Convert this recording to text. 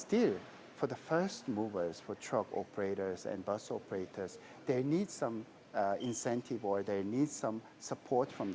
tetapi untuk pemindai bus atau kereta mereka membutuhkan bantuan atau dukungan dari pemerintah